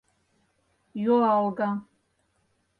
Юалга.